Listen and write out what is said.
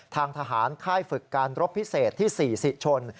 ทางทหารค่ายฝึกการรบพิเศษที่๔สิชน